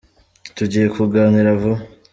Tugiye kuganira vuba.